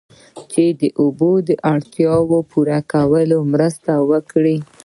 چې د اوبو د اړتیاوو پوره کولو کې مرسته وکړي